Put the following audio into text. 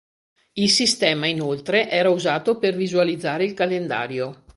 Il sistema inoltre era usato per visualizzare il calendario.